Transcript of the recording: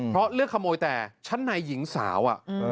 เพราะเลือกขโมยแต่ชั้นในหญิงสาว